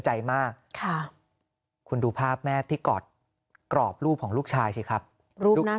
ใจมากค่ะคุณดูภาพแม่ที่กอดกรอบรูปของลูกชายสิครับรูปหน้า